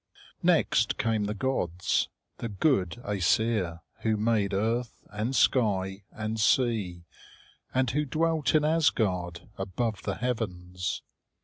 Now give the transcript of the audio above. Next came the gods, the good Æsir, who made earth and sky and sea, and who dwelt in Asgard, above the heavens.